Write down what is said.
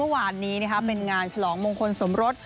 วงคลสมรส